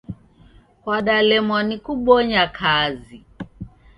Kwadalemwa ni kubonya kazi.